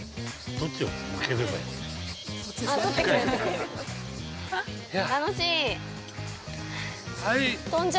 ◆どっちを向ければいいんだ？